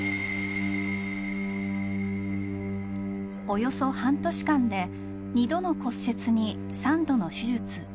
およそ半年間で２度の骨折に３度の手術。